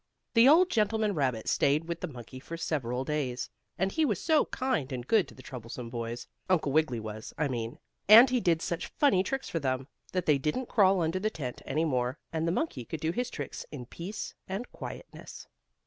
The old gentleman rabbit stayed with the monkey for several days, and he was so kind and good to the troublesome boys Uncle Wiggily was, I mean and he did such funny tricks for them, that they didn't crawl under the tent any more, and the monkey could do his tricks in peace and quietness.